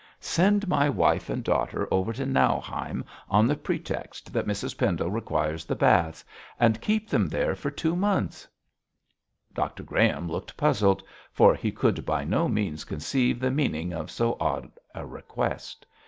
'Send my wife and daughter over to Nauheim on the pretext that Mrs Pendle requires the baths, and keep them there for two months.' Dr Graham looked puzzled, for he could by no means conceive the meaning of so odd a request.